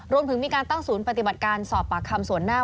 รวมถึงมีการตั้งศูนย์ปฏิบัติการสอบปากคำส่วนหน้า